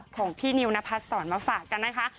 ของพี่นิวนพัดสอนมาฝากกันนะคะ